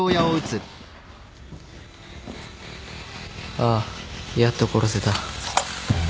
ああやっと殺せた。